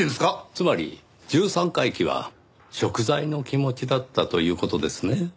つまり十三回忌は贖罪の気持ちだったという事ですね。